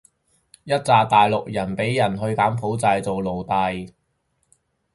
一柞大陸人畀人去柬埔寨做奴隸